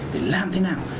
để làm thế nào